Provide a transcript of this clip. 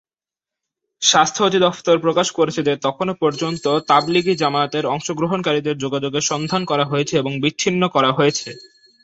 স্বাস্থ্য অধিদফতর প্রকাশ করেছে যে তখনও পর্যন্ত তাবলিগী জামায়াতের অংশগ্রহণকারীদের যোগাযোগের সন্ধান করা হয়েছে এবং বিচ্ছিন্ন করা হয়েছে।